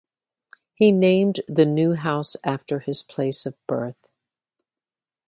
He named the new house after his place of birth.